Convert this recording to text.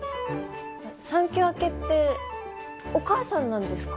産休明けってお母さんなんですか？